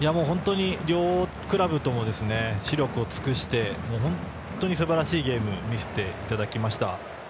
両クラブとも死力を尽くして本当にすばらしいゲームを見せてくれました。